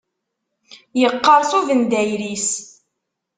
Yeqqerṣ ubendayer-is.